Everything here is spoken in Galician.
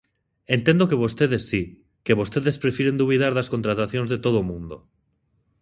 Entendo que vostedes si, que vostedes prefiren dubidar das contratacións de todo o mundo.